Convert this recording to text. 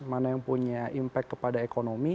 mana yang punya impact kepada ekonomi